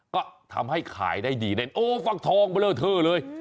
ก็ทำให้ขายได้ดีเล่นโอ้ฟักทองเบลอเทอร์เลย